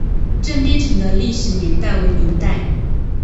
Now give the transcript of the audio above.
镇边城的历史年代为明代。